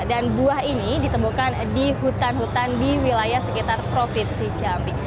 dan buah ini ditemukan di hutan hutan di wilayah sekitar provinsi jambi